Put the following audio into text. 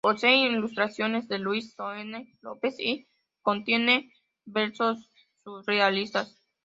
Posee ilustraciones de Luis Seoane López y contiene versos surrealistas.